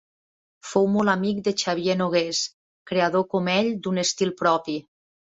Fou molt amic de Xavier Nogués, creador com ell d'un estil propi.